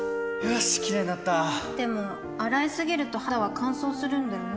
よしキレイになったでも、洗いすぎると肌は乾燥するんだよね